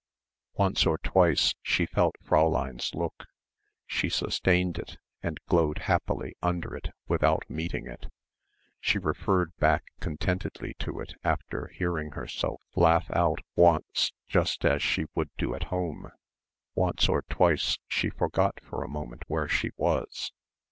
Once or twice she felt Fräulein's look; she sustained it, and glowed happily under it without meeting it; she referred back contentedly to it after hearing herself laugh out once just as she would do at home; once or twice she forgot for a moment where she was.